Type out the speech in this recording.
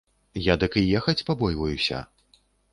Я дык і ехаць пабойваюся.